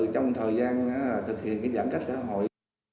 trong thời gian thực hiện giãn cách xã hội